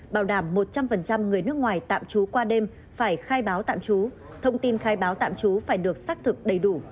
bảo đảm một trăm linh người nước ngoài tạm trú qua đêm phải khai báo tạm trú thông tin khai báo tạm trú phải được xác thực đầy đủ